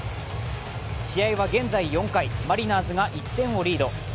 試合は現在４回、マリナーズが１点をリード。